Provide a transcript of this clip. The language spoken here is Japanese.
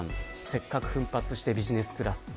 せっかく奮発してビジネスクラス。